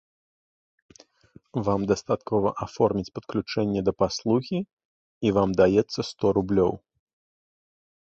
Вам дастаткова аформіць падключэнне да паслугі, і вам даецца сто рублёў.